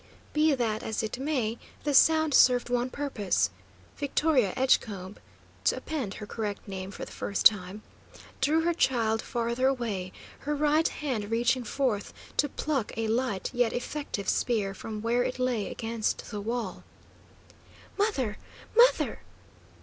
Be that as it may, the sound served one purpose: Victoria Edgecombe (to append her correct name for the first time) drew her child farther away, her right hand reaching forth to pluck a light yet effective spear from where it lay against the wall. "Mother, mother!"